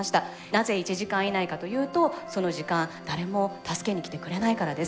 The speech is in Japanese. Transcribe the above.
なぜ１時間以内かというとその時間誰も助けに来てくれないからです。